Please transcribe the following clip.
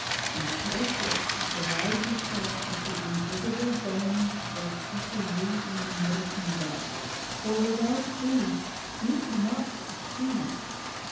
Be careful to provide yourself with the invisible bones those people use in the medicine dance, for without these you cannot succeed."